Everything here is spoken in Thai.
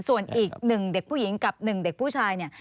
ส่วนอีก๑เด็กผู้หญิงกับ๑เด็กผู้ชายเนี่ย